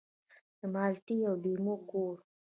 د مالټې او لیمو کور.